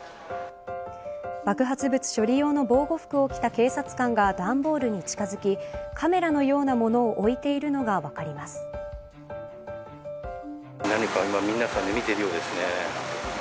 爆発物処理用の防護服を着た警察官が段ボールに近づき、カメラのようなものを置いているのが何かを皆さんで見ているようですね。